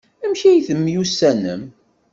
Amek ay temyussanem?